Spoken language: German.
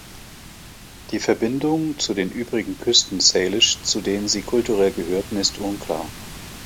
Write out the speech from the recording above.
Die Verbindung zu den übrigen Küsten-Salish, zu denen sie kulturell gehörten, ist unklar.